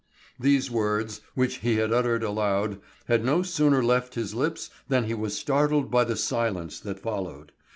These words, which he had uttered aloud, had no sooner left his lips than he was startled by the silence that followed.